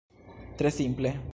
Tre simple.